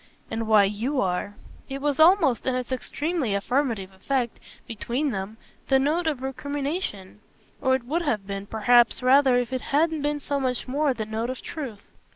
"And why YOU are." It was almost, in its extremely affirmative effect between them, the note of recrimination; or it would have been perhaps rather if it hadn't been so much more the note of truth.